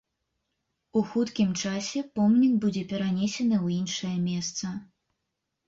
У хуткім часе помнік будзе перанесены ў іншае месца.